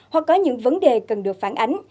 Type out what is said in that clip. hoặc có những vấn đề cần được phản ánh